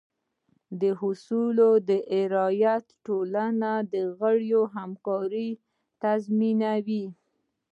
د اصولو رعایت د ټولنې د غړو همکارۍ تضمینوي.